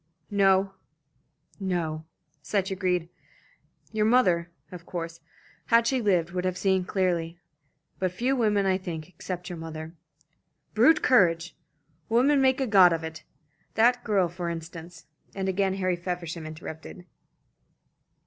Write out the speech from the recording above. "No," Sutch agreed. "Your mother, of course, had she lived, would have seen clearly; but few women, I think, except your mother. Brute courage! Women make a god of it. That girl, for instance," and again Harry Feversham interrupted.